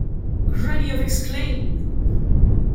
Gray of Exclaim!